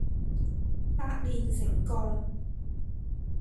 百煉成鋼